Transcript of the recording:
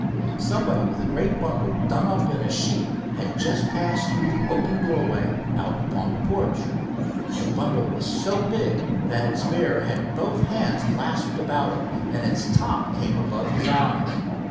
Somebody with a great bundle done up in a sheet had just passed through the open doorway out upon the porch. The bundle was so big that its bearer had both hands clasped about it, and its top came above his eyes.